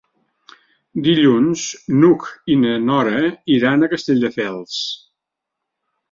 Dilluns n'Hug i na Nora iran a Castelldefels.